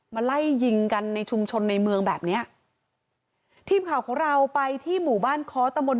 ไล่ยิงกันในชุมชนในเมืองแบบเนี้ยทีมข่าวของเราไปที่หมู่บ้านค้อตำบล